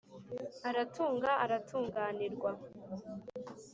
aratunga aratunganirwa.